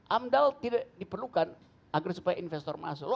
amdal tidak diperlukan agar supaya investor masuk